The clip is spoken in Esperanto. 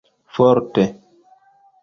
forte